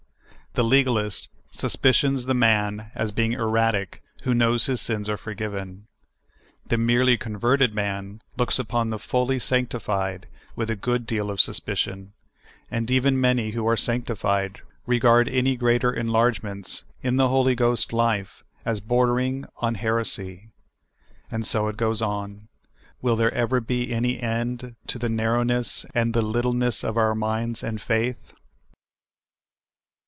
The legalist suspicions the man as being erratic who knows his sins are forgiven. The merely converted man looks upon the fully sanctified with a good deal of suspicion, and even many who are sanctified regard any greater enlargements in the Holy Ghost life as bordering on heresy. And so it goes on. Will there ever be any end to the narrowness and the littleness of our minds and faith?